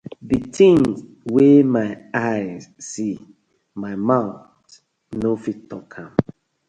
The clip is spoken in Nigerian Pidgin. Di tinz wey my eye see my mouth no fit tok.